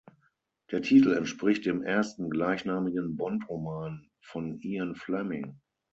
Der Titel entspricht dem ersten, gleichnamigen Bond-Roman von Ian Fleming.